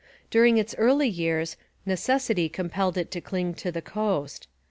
During its early years, necessity compelled it to cling to the coast.